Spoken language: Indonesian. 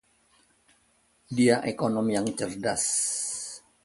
Dia ekonom yang cerdas.